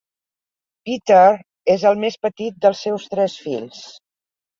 Peter és el més petit dels seus tres fills.